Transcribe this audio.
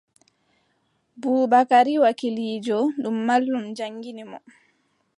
Bubakari wakiiliijo, ɗum mallum jaŋngini mo.